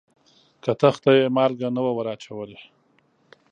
کتغ ته یې مالګه نه وه وراچولې.